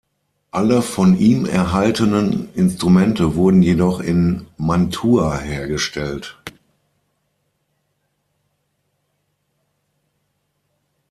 Alle von ihm erhaltenen Instrumente wurden jedoch in Mantua hergestellt.